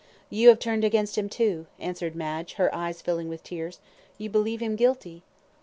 "You have turned against him, too," answered Madge, her eyes filling with tears. "You believe him guilty."